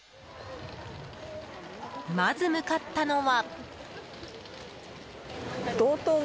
まず、向かったのは。